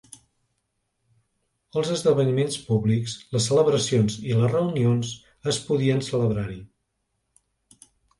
Els esdeveniments públics, les celebracions i les reunions es podien celebrar-hi.